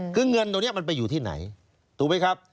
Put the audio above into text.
คือเงินตรงนี้มันไปอยู่ที่ไหนถูกไหมครับ